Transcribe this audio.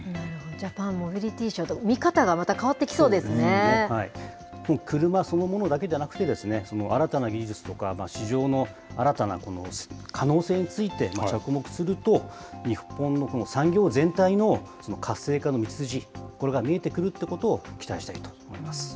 ジャパンモビリティーショー、車そのものだけではなくて、新たな技術とか、市場の新たな可能性について着目すると、日本のこの産業全体の活性化の道筋、これが見えてくるということを期待したいと思います。